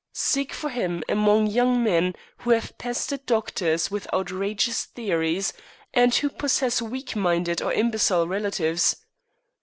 Seek for him among young men who have pestered doctors with outrageous theories, and who possess weak minded or imbecile relatives.'